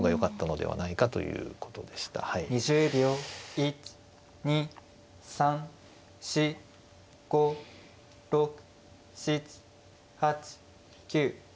１２３４５６７８９。